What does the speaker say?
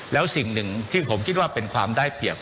แล้วสิ่งหนึ่งที่ผมคิดว่าเป็นความได้เปรียบ